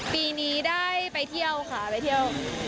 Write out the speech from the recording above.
ปีนี้ได้ไปเที่ยวค่ะไปเที่ยว